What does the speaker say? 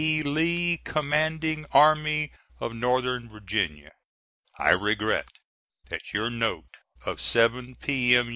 E. LEE, Commanding Army of N. Va. I regret that your note of seven P.M.